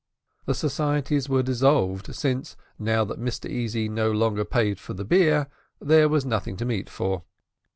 The societies were dissolved, since, now that Mr Easy paid no longer for the beer, there was nothing to meet for.